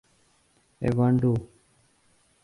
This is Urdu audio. ایوانڈو